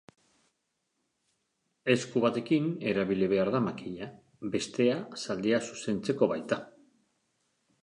Esku batekin erabili behar da makila, bestea zaldia zuzentzeko baita.